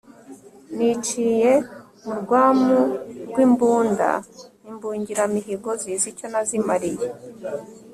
niciye mu rwamu rw'imbunda, imbungiramihigo zizi icyo nazimaliye.